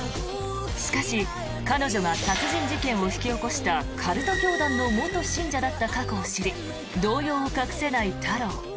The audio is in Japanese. しかし、彼女が殺人事件を引き起こしたカルト教団の元信者だった過去を知り動揺を隠せない太郎。